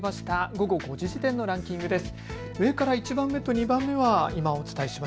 午後５時時点のランキングです。